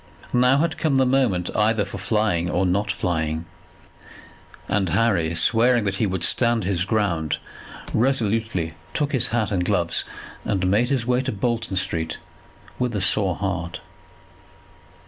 Now had come the moment either for flying, or not flying; and Harry swearing that he would stand his ground, resolutely took his hat and gloves, and made his way to Bolton Street with a sore heart.